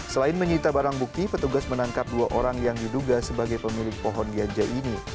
selain menyita barang bukti petugas menangkap dua orang yang diduga sebagai pemilik pohon ganja ini